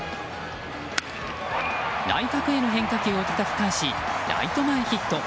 内角への変化球をたたき返しライト前ヒット。